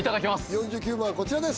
４９番はこちらです